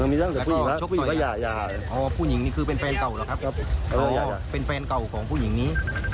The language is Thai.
ไปแล้วกับผู้หญิงนี้คือเป็นแฟนเก่าหรอครับเป็นแฟนเก่าของผู้หญิงนี้